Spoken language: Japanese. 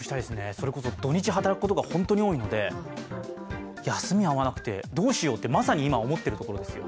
それこそ土日働くことが本当に多いので休み合わなくてどうしようって、まさに今思っていることですよ。